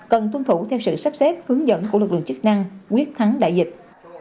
cần tuân thủ theo sự sắp xếp hướng dẫn của lực lượng chức năng quyết thắng đại dịch